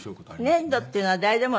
粘土っていうのは誰でも。